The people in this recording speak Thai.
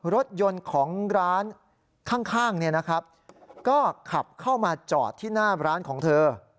รถยนต์ของร้านข้างก็ขับเข้ามาจอดที่หน้าร้านของเธอ